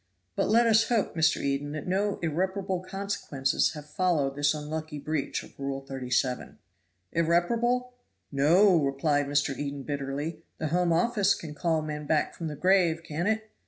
But let us hope, Mr. Eden, that no irreparable consequences have followed this unlucky breach of Rule 37." "Irreparable? No!" replied Mr. Eden bitterly. "The Home Office can call men back from the grave, can't it?